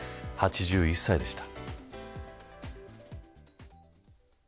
８１歳でした。